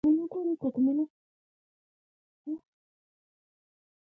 پر نور د باور پر وخت احتياط کوه .